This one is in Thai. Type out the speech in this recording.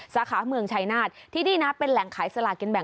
สาขาเมืองชายนาฐที่ดีเป็นแหล่งขายสลาดเกิดแบบ